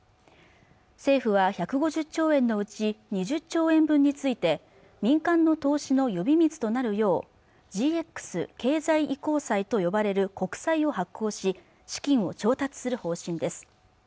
政府は１５０兆円のうち２０兆円分について民間の投資の呼び水となるようＧＸ経済移行債と呼ばれる国債を発行し資金を調達する方針です